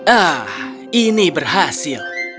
ah ini berhasil